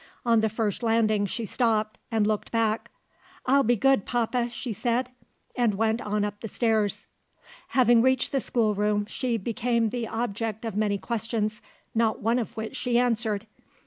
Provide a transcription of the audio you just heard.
On the first landing she stopped, and looked back. "I'll be good, papa," she said and went on up the stairs. Having reached the schoolroom, she became the object of many questions not one of which she answered.